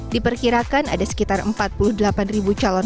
diperkirakan ada sekitar empat puluh delapan ribu calon